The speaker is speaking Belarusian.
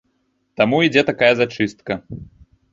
Таму ідзе такая зачыстка.